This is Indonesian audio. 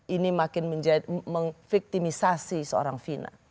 ini makin menjadi mengviktimisasi seorang fina